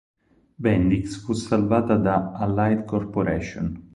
Bendix fu salvata da Allied Corporation.